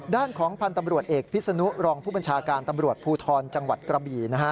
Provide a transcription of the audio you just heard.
ด้านของพันธ์ตำรวจเอกพิษนุรองผู้บัญชาการตำรวจภูทรจังหวัดกระบี่นะฮะ